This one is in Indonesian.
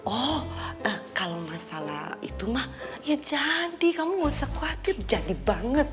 oh kalau masalah itu mah ya jadi kamu gak usah khawatir jadi banget